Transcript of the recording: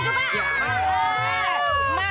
elah jadi miliarder